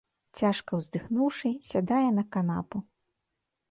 Цяжка ўздыхнуўшы, сядае на канапу.